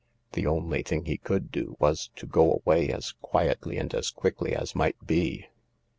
The only thing he could do was to go away as quietly and as quickly as might be.